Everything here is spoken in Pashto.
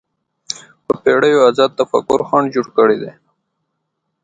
په پېړیو ازاد تفکر خنډ جوړ کړی دی